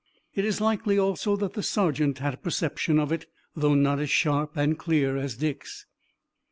It is likely also that the sergeant had a perception of it, though not as sharp and clear as Dick's.